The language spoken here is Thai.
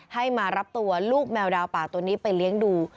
ให้มารับตัวลูกแมวดาวป่าตัวนี้ไปเลี้ยงดู